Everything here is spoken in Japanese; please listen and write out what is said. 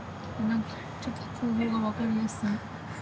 ちょっと構造が分かりやすい。